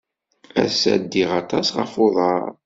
Ass-a, ddiɣ aṭas ɣef uḍar.